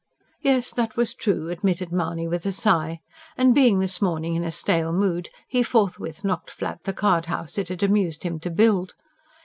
Yes, that was true, admitted Mahony with a sigh; and being this morning in a stale mood, he forthwith knocked flat the card house it had amused him to build.